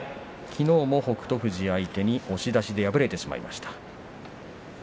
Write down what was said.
きのうも北勝富士を相手に押し出しで敗れてしまいました。